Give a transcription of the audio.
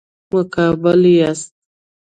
مقابل یاست.